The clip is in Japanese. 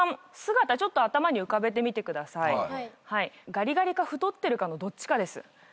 ガリガリか太ってるかのどっちかです。